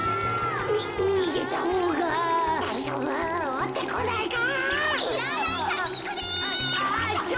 おってこないか？